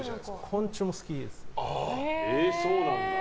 昆虫も好きですね。